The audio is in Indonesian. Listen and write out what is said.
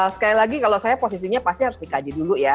sekali lagi kalau saya posisinya pasti harus dikaji dulu ya